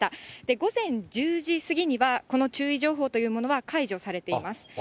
午前１０時過ぎにはこの注意情報というものは解除されています。